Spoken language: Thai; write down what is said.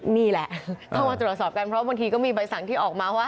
นี่แหละต้องมาตรวจสอบกันเพราะบางทีก็มีใบสั่งที่ออกมาว่า